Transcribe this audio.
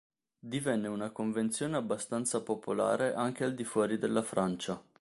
Divenne una convenzione abbastanza popolare anche al di fuori della Francia.